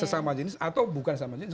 sesama jenis atau bukan sama jenis